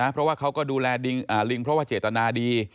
เพราะว่าเขาก็ดูแลลิงเพราะว่าเจตนาดี